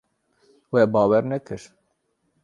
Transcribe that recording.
We bawer nekir.